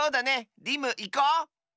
リムいこう！